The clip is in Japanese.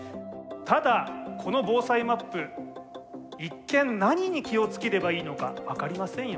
ただこの防災マップ一見何に気を付ければいいのか分かりませんよね。